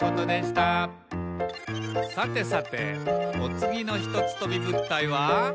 さてさておつぎのひとつとびぶったいは？